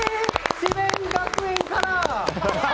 智弁学園から！